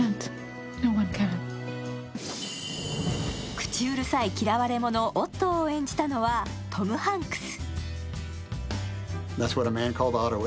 口うるさい嫌われ者、オットーを演じたのはトム・ハンクス。